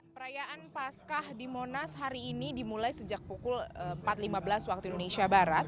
perayaan pascah di monas hari ini dimulai sejak pukul empat lima belas waktu indonesia barat